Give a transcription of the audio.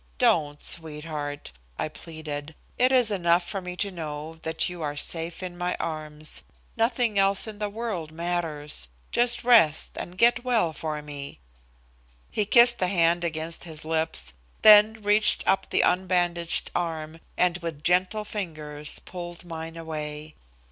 "Don't, sweetheart," I pleaded. "It is enough for me to know that you are safe in my arms. Nothing else in the world matters. Just rest and get well for me." He kissed the hand against his lips, then reached up the unbandaged arm, and with gentle fingers pulled mine away.